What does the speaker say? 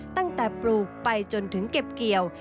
ตั้งแต่ปลูกไปจนถึงเก็บเกี่ยว